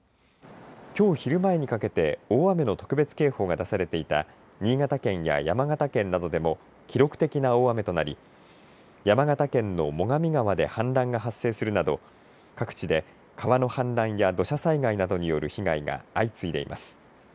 きょう昼間にかけて大雨の特別警報が出されていた新潟県や山形県などでも記録的な大雨となり山形県の最上川で氾濫が発生するなど各地で川の氾濫や土砂災害などによる被害が相次いでいます。